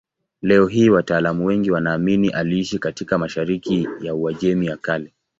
Leo hii wataalamu wengi wanaamini aliishi katika mashariki ya Uajemi ya Kale.